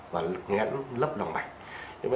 và ngã lấp động mạch